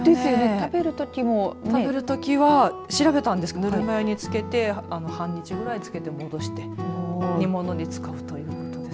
食べるときも食べるときは調べたんですけどぬるま湯につけて半日ぐらい、つけて戻して食べるということです。